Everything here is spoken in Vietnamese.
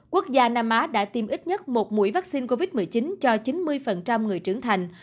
quốc gia nam á đã tiêm ít nhất một mũi vaccine covid một mươi chín cho chín mươi người trưởng thành